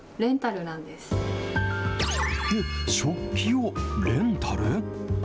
えっ、食器をレンタル？